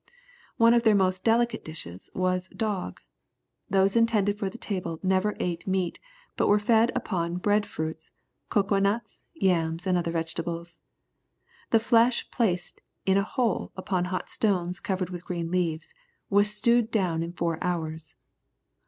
One of their most delicate dishes was dog. Those intended for the table never ate meat, but were fed upon bread fruits, cocoa nuts, yams, and other vegetables. The flesh placed in a hole upon hot stones covered with green leaves, was stewed down in four hours.